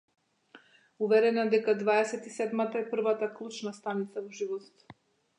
Уверена дека дваесет и седмата е првата клучна станица во животот.